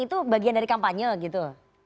itu bagian dari kampanye gitu